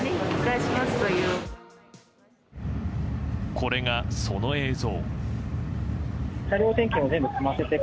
これが、その映像。